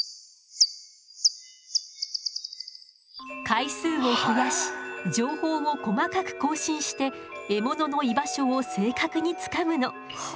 回数を増やし情報を細かく更新して獲物の居場所を正確につかむの。